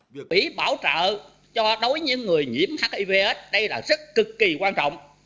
quỹ bảo trợ cho đối với những người nhiễm hiv aids đây là rất cực kỳ quan trọng